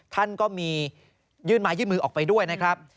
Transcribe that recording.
ท่านก็มียื่นไม้ยื่นมือออกไปด้วยนะครับ